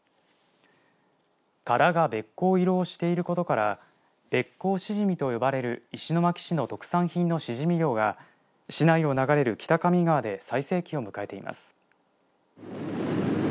殻がべっ甲色をしていることからベッコウしじみと呼ばれる石巻市の特産品のシジミ漁が市内を流れる北上川で最盛期を迎えています。